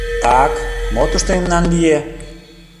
— Так, мо тушто мемнан лие?